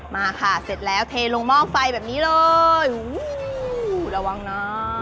มาค่ะเสร็จแล้วเทลงหม้อไฟแบบนี้เลยระวังเนอะ